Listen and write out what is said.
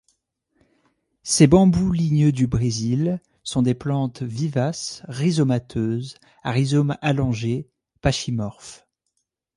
Ces bambous ligneux du Brésil sont des plantes vivaces, rhizomateuses, à rhizomes allongés, pachymorphes.